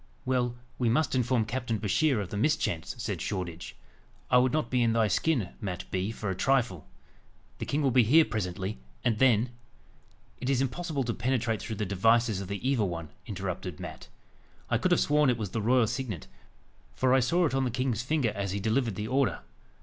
"Well, we must inform Captain Bouchier of the mischance," said Shoreditch. "I would not be in thy skin, Mat Bee, for a trifle. The king will be here presently, and then " "It is impossible to penetrate through the devices of the evil one," interrupted Mat. "I could have sworn it was the royal signet, for I saw it on the king's finger as he delivered the order.